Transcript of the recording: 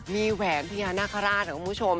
มีแหวนเทียนาคาราชน้องคุณผู้ชม